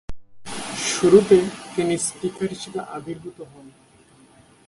শুরুতে তিনি স্পিনার হিসেবে আবির্ভূত হন।